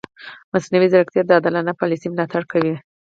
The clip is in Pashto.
مصنوعي ځیرکتیا د عادلانه پالیسي ملاتړ کوي.